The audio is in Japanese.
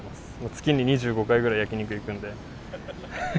月に２５回ぐらい、焼き肉行くので。